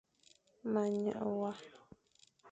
Ma nyeghe wa.